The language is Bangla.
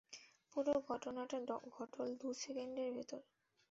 পুরো ঘটনোটা ঘটল দু সেকেণ্ডের ভেতর।